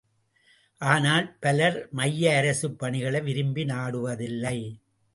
ஆனால் பலர் மைய அரசுப் பணிகளை விரும்பி நாடுவதில்லை.